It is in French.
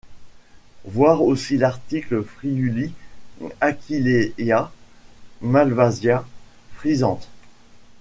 Voir aussi l’article Friuli Aquileia Malvasia frizzante.